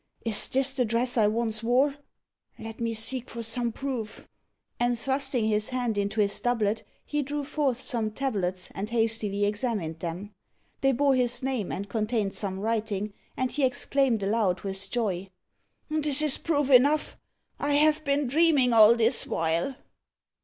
Is this the dress I once wore? Let me seek for some proof." And thrusting his hand into his doublet, he drew forth some tablets, and hastily examined them. They bore his name, and contained some writing, and he exclaimed aloud with joy, "This is proof enough I have been dreaming all this while."